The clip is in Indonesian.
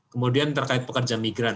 kemudian terkait pekerja migran